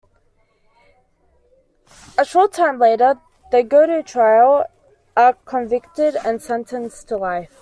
A short time later, they go to trial, are convicted, and sentenced to life.